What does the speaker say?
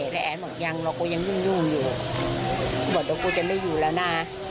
แต่แอนบอกยังเราก็ยังยุ่งอยู่บอกเดี๋ยวกูจะไม่อยู่แล้วนะ